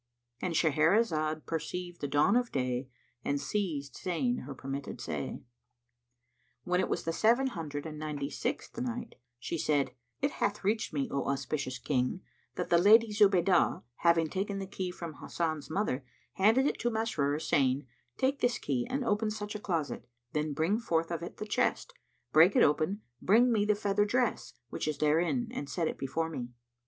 "—And Shahrazad perceived the dawn of day and ceased saying her permitted say. When it was the Seven Hundred and Ninety sixth Night, She said, It hath reached me, O auspicious King, that the Lady Zubaydah, having taken the key from Hasan's mother, handed it to Masrur, saying, "Take this key and open such a closet; then bring forth of it the chest; break it open; bring me the feather dress which is therein and set it before me."